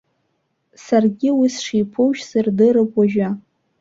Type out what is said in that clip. Саргьы уи сшиԥоу шәсырдырып уажәы.